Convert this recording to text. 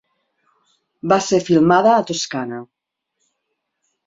Va ser filmada a Toscana.